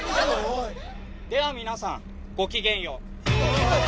では皆さんご機嫌よう。